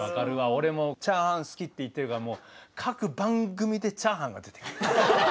俺もチャーハン好きって言ってるから各番組でチャーハンが出てくる。